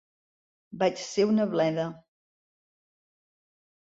Vaig ser una bleda.